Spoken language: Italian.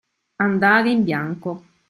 Andare in bianco.